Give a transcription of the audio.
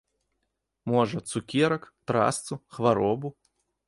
Можа, цукерак, трасцу, хваробу?